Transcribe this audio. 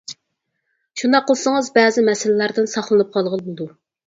شۇنداق قىلسىڭىز بەزى مەسىلىلەردىن ساقلىنىپ قالغىلى بولىدۇ.